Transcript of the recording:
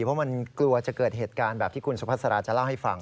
เพราะมันกลัวจะเกิดเหตุการณ์แบบที่คุณสุภาษาจะเล่าให้ฟัง